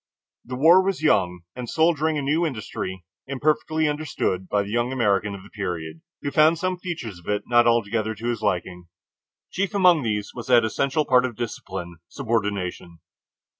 The war was young and soldiering a new industry, imperfectly understood by the young American of the period, who found some features of it not altogether to his liking. Chief among these was that essential part of discipline, subordination.